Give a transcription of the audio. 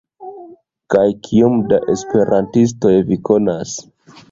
Kaj kiom da esperantistoj vi konas?